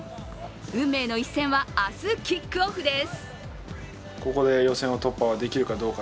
運命の一戦は明日、キックオフです。